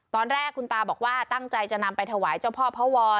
ตอนแรกคุณตาบอกว่าตั้งใจจะนำไปถวายเจ้าพ่อพระวร